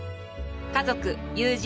家族友人